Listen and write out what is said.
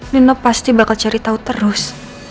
nino pasti bakal cari tahu terus